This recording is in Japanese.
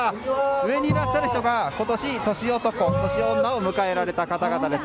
上にいらっしゃる人が今年年男、年女を迎えられた方です。